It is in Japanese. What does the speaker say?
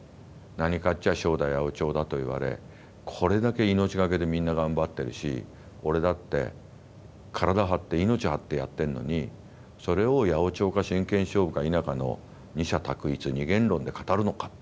何かっちゃショーだ八百長だと言われこれだけ命懸けでみんな頑張ってるし俺だって体張って命張ってやってんのにそれを八百長か真剣勝負か否かの二者択一二元論で語るのか。